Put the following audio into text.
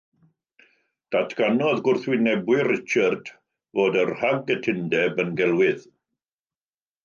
Datganodd gwrthwynebwyr Richard fod y rhag-gytundeb yn gelwydd.